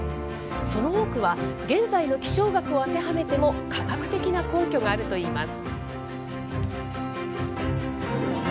その多くは、現在の気象学を当てはめても、科学的な根拠があるといいます。